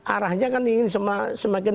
arahnya kan ingin semakin